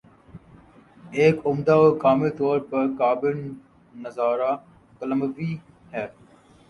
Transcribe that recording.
ایک عمدہ اور کامل طور پر قابل نظارہ کولمبو مووی ہے